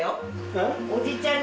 うん。